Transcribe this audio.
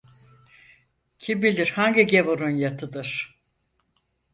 Kim bilir hangi gavurun yatıdır?